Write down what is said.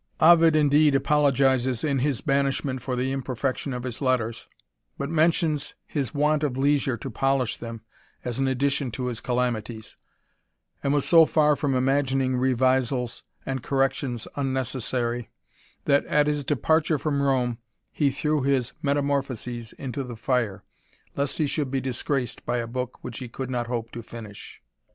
Ovid indeed apologizes in his banishment for the iin perfection of his letters, but mentions his want of leisure to polish them, as an addition to his calamities ; and was so &r from imagining revisals and corrections unnecessary) that at his departure from Rome he threw his Metamor phoses into the fire, lest he should be disgraced by a book which he could not hope to finish.